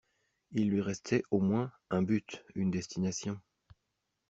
Il lui restait, au moins, un but, une destination.